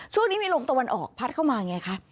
ช่วงนี้มีลมตะวันออกพัดเข้ามาไงคะ